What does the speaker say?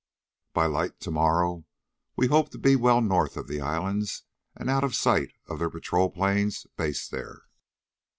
By light tomorrow we hope to be well north of the Islands and out of sight of their patrol planes based there."